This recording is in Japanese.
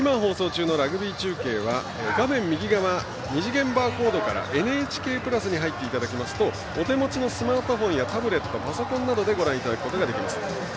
今のラグビー中継は２次元バーコードから「ＮＨＫプラス」に入っていただきますとお手持ちのスマートフォンタブレット、パソコンでご覧いただけます。